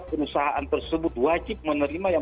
perusahaan tersebut wajib menerima yang